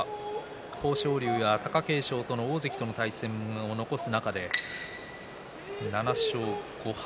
豊昇龍や貴景勝、大関との対戦も残す中で７勝５敗。